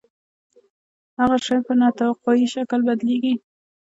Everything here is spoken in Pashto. هغه شیان په نا توقعي شکل بدلیږي.